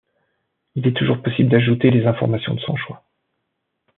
Il est toujours possible d'ajouter les informations de son choix.